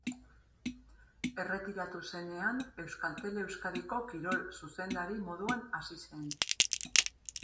Erretiratu zenean, Euskaltel-Euskadiko kirol-zuzendari moduan hasi zen.